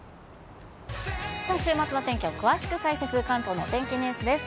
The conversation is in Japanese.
週末の天気を詳しく解説、関東のお天気ニュースです。